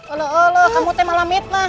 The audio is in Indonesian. aloh aloh kamu tuh malah mitnah